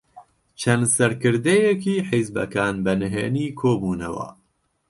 چەند سەرکردەیەکی حیزبەکان بەنهێنی کۆبوونەوە.